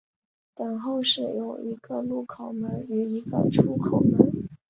等候室有一个入口门与一个出口门。